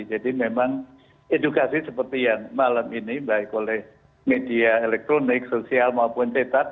jadi memang edukasi seperti yang malam ini baik oleh media elektronik sosial maupun tetap